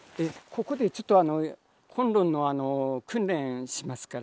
ここでちょっと崑崙の訓練しますから。